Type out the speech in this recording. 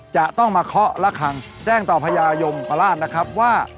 จะต้องมาเคาะละคังแจ้งต่อพญายมราชนะครับว่า